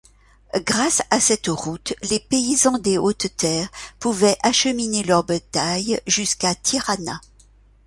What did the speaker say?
Grâce à cette route, les paysans des hautes-terres pouvaient acheminer leur bétail jusqu'à Tirana.